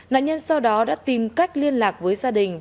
nạn nhân sau đó đã tìm cách liên lạc với gia đình